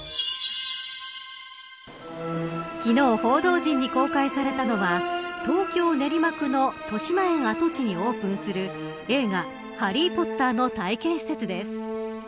昨日、報道陣に公開されたのは東京、練馬区のとしまえん跡地にオープンする映画ハリー・ポッターの体験施設です。